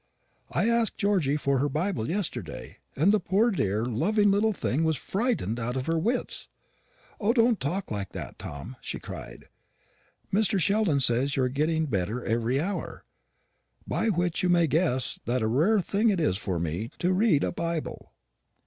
I asked Georgy for her Bible yesterday, and the poor dear loving little thing was frightened out of her wits. 'O, don't talk like that, Tom,' she cried; 'Mr. Sheldon says you are getting better every hour,' by which you may guess what a rare thing it is for me to read my Bible.